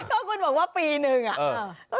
เพราะว่าคุณบอกว่าปีหนึ่งอ่ะ